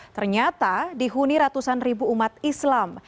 ternyata dihuni ratusan ribu umat islam